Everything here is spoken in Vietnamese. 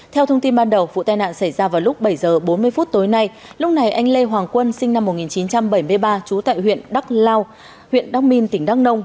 theo thông tin ban đầu vụ tai nạn xảy ra vào lúc bảy h bốn mươi phút tối nay lúc này anh lê hoàng quân sinh năm một nghìn chín trăm bảy mươi ba trú tại huyện đắc lao huyện đắc minh tỉnh đăng nông